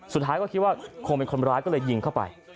สุดท้ายก็คิดว่าคงเป็นคนร้ายก็เลยยิงเข้าไป